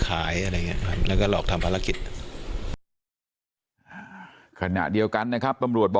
ขายอะไรอย่างนี้นันก็หลอกทำภารกิจ๑๐๘๐๐๑๕คณะเดียวกันนะครับปรับบ